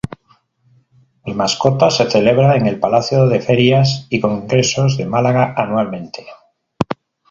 Mi Mascota se celebra en el Palacio de Ferias y Congresos de Málaga anualmente.